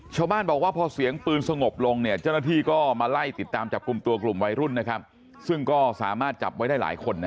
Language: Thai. ชาวบ้านบอกว่าพอเสียงปืนสงบลงเจ้าหน้าที่ก็มาไล่ติดตามจับกลุ่มตัวกลุ่มวัยรุ่นนะครับซึ่งก็สามารถจับไว้ได้หลายคนนะ